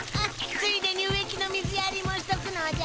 ついでに植木の水やりもしとくのじゃ。